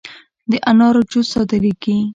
د انارو جوس صادریږي؟